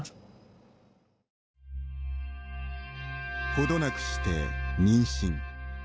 ほどなくして、妊娠。